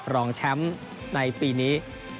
รองแชมป์ในปีนี้